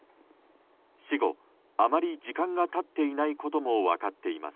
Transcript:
死後あまり時間が経ってないことも分かっています。